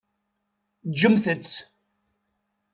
Ǧǧemt-tt.